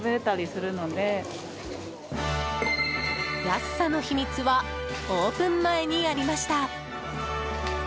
安さの秘密はオープン前にありました。